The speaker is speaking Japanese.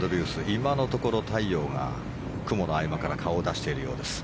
今のところ、太陽が雲の合間から顔を出しているようです。